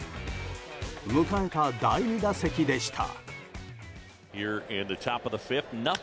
迎えた第２打席でした。